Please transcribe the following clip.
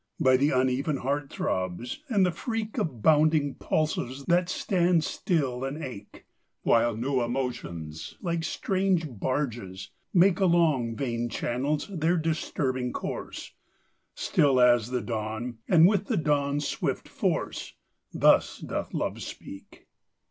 By the uneven heart throbs, and the freak Of bounding pulses that stand still and ache, While new emotions, like strange barges, make Along vein channels their disturbing course; Still as the dawn, and with the dawn's swift force Thus doth Love speak.